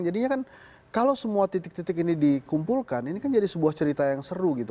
jadinya kan kalau semua titik titik ini dikumpulkan ini kan jadi sebuah cerita yang seru gitu